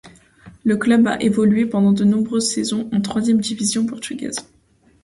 Le club a évolué pendant de nombreuses saisons en troisième division portugaise.